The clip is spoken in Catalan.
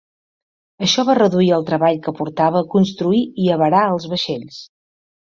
Això va reduir el treball que portava construir i avarar els vaixells.